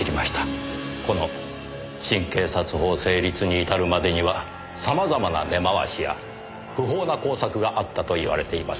この新警察法成立に至るまでにはさまざまな根回しや不法な工作があったといわれています。